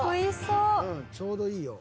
ちょうどいいよ。